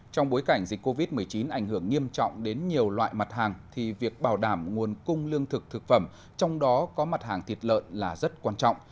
trong bối cảnh dịch covid một mươi chín ảnh hưởng nghiêm trọng đến nhiều loại mặt hàng thì việc bảo đảm nguồn cung lương thực thực phẩm trong đó có mặt hàng thịt lợn là rất quan trọng